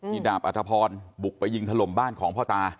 ดาบอัธพรบุกไปยิงถล่มบ้านของพ่อตา